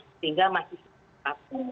sehingga masih sepuluh